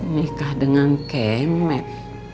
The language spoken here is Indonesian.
nikah dengan kemeh